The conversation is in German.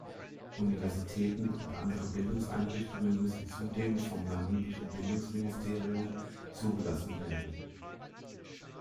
Universitäten und andere Bildungseinrichtungen müssen zudem vom namibischen Bildungsministerium zugelassen werden.